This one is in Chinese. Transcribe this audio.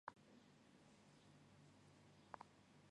他好奇的过去